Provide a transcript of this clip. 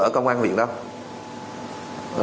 ở công an huyện đâu